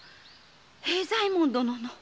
平左衛門殿の。